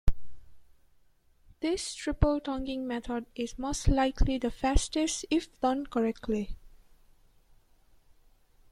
This triple tonguing method is most likely the fastest if done correctly.